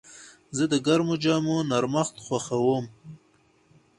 زه د ګرمو جامو نرمښت خوښوم.